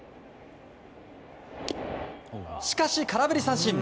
しかし空振り三振。